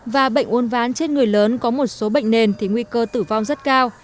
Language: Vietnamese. và bệnh uốn ván trên người lớn có một số bệnh nền thì nguy cơ tử vong rất cao